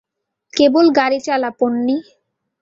কেবল গাড়ি চালা, পোন্নি।